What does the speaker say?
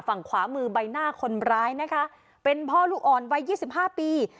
ฝั่งขวามือใบหน้าคนร้ายนะคะเป็นพ่อลูกอ่อนวัย๒๕ปี